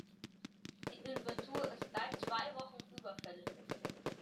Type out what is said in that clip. Die Inventur ist seit zwei Wochen überfällig.